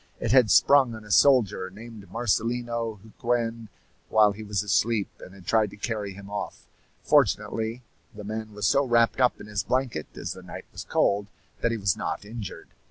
It had sprung on a soldier named Marcelino Huquen while he was asleep, and had tried to carry him off. Fortunately, the man was so wrapped up in his blanket, as the night was cold, that he was not injured.